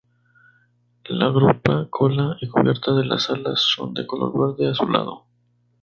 La grupa, cola y cubierta de las alas son de color verde azulado.